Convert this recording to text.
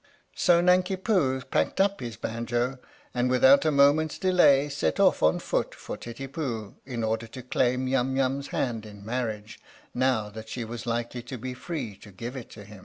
So Nanki Poo packed up his banjo and without a moment's delay set off on foot for Titipu in order to claim Yum Yum's hand in marriage, now that she was likely to be free to give it to him.